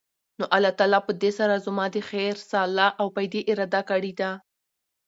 نو الله تعالی پدي سره زما د خير، صلاح او فائدي اراده کړي ده